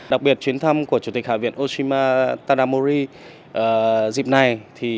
đặc biệt chuyến thăm của chủ tịch hạ viện oshima tadamori dịp này